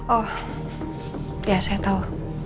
oh ya saya tau